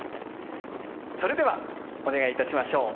それではお願いいたしましょう。